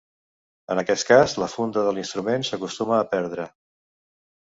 En aquest cas, la funda de l'instrument s'acostuma a perdre.